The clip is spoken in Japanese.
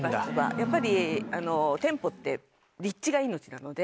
やっぱり店舗って立地が命なので。